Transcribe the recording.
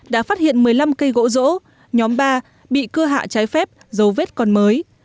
đã phát hiện một mươi năm cây gỗ rỗ nhóm ba bị cưa hạ trái phép dấu vết còn mới